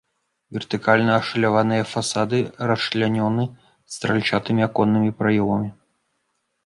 Вертыкальна ашаляваныя фасады расчлянёны стральчатымі аконнымі праёмамі.